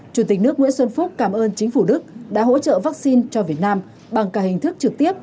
chủ tịch nước nguyễn xuân phúc cảm ơn chính phủ đức đã hỗ trợ vaccine cho việt nam bằng cả hình thức trực tiếp